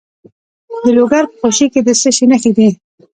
د لوګر په خوشي کې د څه شي نښې دي؟